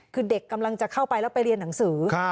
คือเด็กกำลังจะเข้าไปแล้วไปเรียนหนังสือ